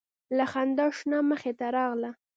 له خندا شنه مخې ته راغله